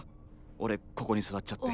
俺ここに座っちゃって。